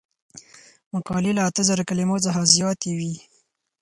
مقالې له اته زره کلمو څخه زیاتې وي.